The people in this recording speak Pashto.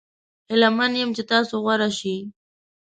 هیله من یم چې تاسو غوره شي.